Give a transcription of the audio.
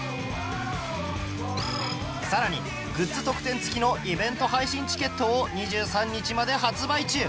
さらにグッズ特典付きのイベント配信チケットを２３日まで発売中